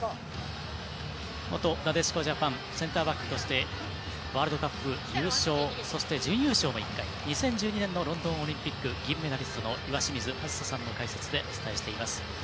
元なでしこジャパンセンターバックとしてワールドカップ優勝そして準優勝を１回２０１２年のロンドンオリンピック銀メダリストの岩清水梓さんの解説でお伝えしています。